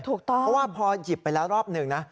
ถูกต้องเพราะว่าพอหยิบไปแล้วรอบหนึ่งนะ